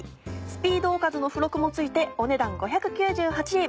「スピードおかず」の付録も付いてお値段５９８円。